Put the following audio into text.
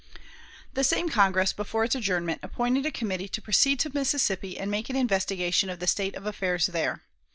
The same Congress, before its adjournment, appointed a committee to proceed to Mississippi and make an investigation of the state of affairs there.